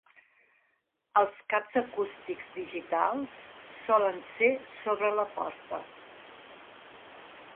Els caps acústics digitals solen ser sobre la porta.